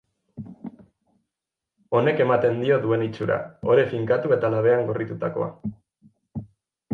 Honek ematen dio duen itxura: ore finkatu eta labean gorritutakoa.